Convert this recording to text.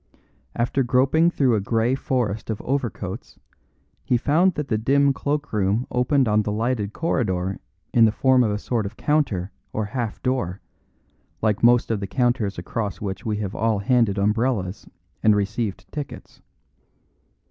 After groping through a grey forest of overcoats, he found that the dim cloak room opened on the lighted corridor in the form of a sort of counter or half door, like most of the counters across which we have all handed umbrellas and received tickets.